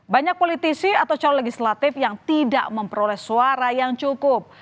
banyak politisi atau calon legislatif yang tidak memperoleh suara yang cukup